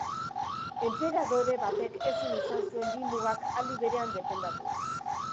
Enperadore batek ezin izan zuen bi mugak aldi berean defendatu.